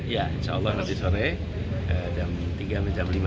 ya insya allah nanti sore jam tiga lima kita ada open house